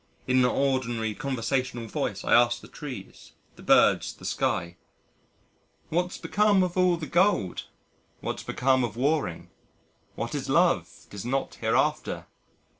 In an ordinary conversational voice I ask the trees, the birds, the sky. "What's become of all the gold?" "What's become of Waring?" "What is Love? 'Tis not hereafter."